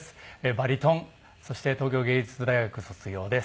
バリトンそして東京藝術大学卒業です。